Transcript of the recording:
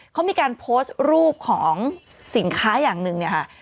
เขามีการโพสต์รูปของสินค้าอย่างหนึ่ง